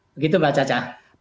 begitu mbak caca